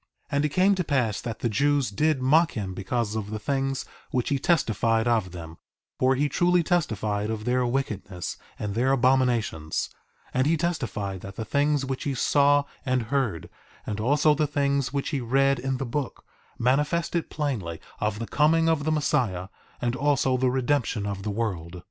1:19 And it came to pass that the Jews did mock him because of the things which he testified of them; for he truly testified of their wickedness and their abominations; and he testified that the things which he saw and heard, and also the things which he read in the book, manifested plainly of the coming of the Messiah, and also the redemption of the world.